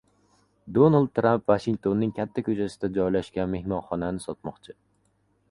Donald Tramp Vashingtonning katta ko‘chasida joylashgan mehmonxonani sotmoqchi